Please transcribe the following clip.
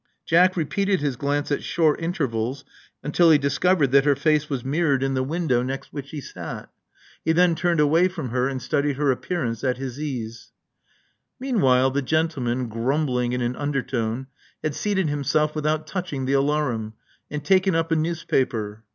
Jack repeated his glance at short intervals until he discovered that her face was mirrored in the window Love Among the Artists 59 next which he sat. He then turned away from her, and studied her appearance at his ease. Meanwhile the gentleman, grumbling in an under tone, had seated himself without touching the alarum, and taken up a newspaper.